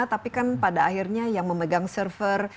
tapi kan pada akhirnya yang memegang server